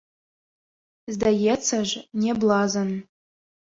Здаецца ж, не блазан.